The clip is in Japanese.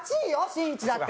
しんいち！だって。